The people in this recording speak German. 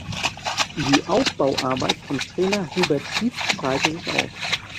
Die Aufbauarbeit von Trainer Hubert Schieth zahlte sich aus.